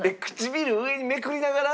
唇上にめくりながら。